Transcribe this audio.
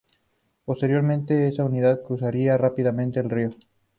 Posteriormente, esa unidad cruzaría rápidamente el río.